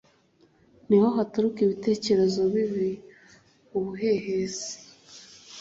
ni ho haturuka ibitekerezo bibi ubuhehesi